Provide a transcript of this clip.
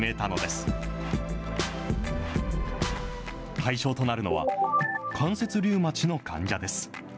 対象となるのは、関節リウマチの患者です。